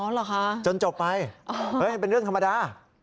เหรอคะจนจบไปเป็นเรื่องธรรมดา